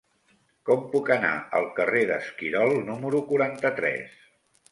Com puc anar al carrer d'Esquirol número quaranta-tres?